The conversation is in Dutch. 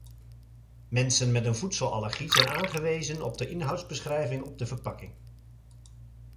Mensen met een voedselallergie zijn aangewezen op de inhoudsbeschrijving op de verpakking.